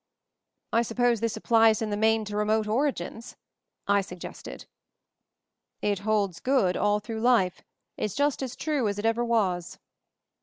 "I suppose this applies in the main to re mote origins?" I suggested. "It holds good all through life — is just as true as it ever was."